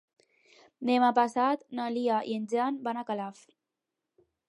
Demà passat na Lia i en Jan van a Calaf.